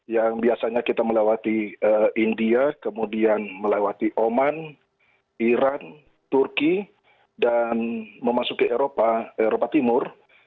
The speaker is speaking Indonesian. yang biasanya kita melewati india kemudian melewati oman iran turki dan memasuki eropa timur